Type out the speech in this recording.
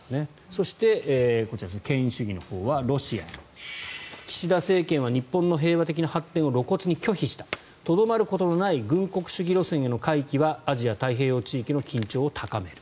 そして、こちら権威主義のほうはロシア、岸田政権は日本の平和的な発展を露骨に拒否したとどまることのない軍国主義路線への回帰はアジア太平洋地域の緊張を高める。